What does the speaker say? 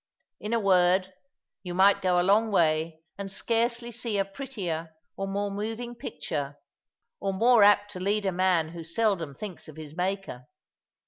In a word, you might go a long way and scarcely see a prettier or more moving picture, or more apt to lead a man who seldom thinks of his Maker.